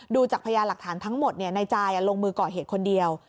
ดูจากพยานหลักฐานทั้งหมดนายจายลงมือก่อเหตุคนเดียว